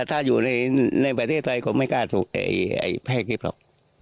ถ้าอยู่ในประเทศไทยคงไม่กล้าถูกแพร่คลิปหรอก